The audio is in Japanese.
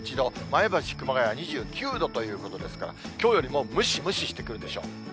前橋、熊谷は２９度ということですから、きょうよりもムシムシしてくるでしょう。